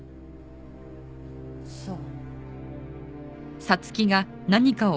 そう。